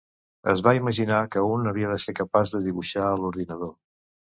Es va imaginar que un havia de ser capaç de dibuixar a l'ordinador.